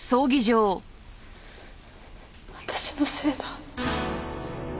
私のせいだ。